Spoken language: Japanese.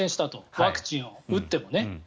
ワクチンを打っても。